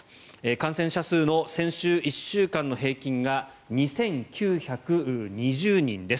感染者の先週１週間の平均が２９２０人です。